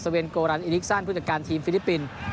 เวนโกรันอิลิกซันผู้จัดการทีมฟิลิปปินส์